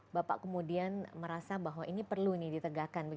bapak kemudian merasa bahwa ini perlu ditegakkan